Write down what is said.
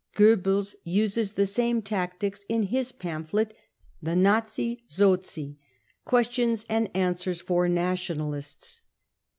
Goebbels uses the same tactics in his pamphlet : 4 4 The Nazi Sozi : Questions and Answers for Nationalists.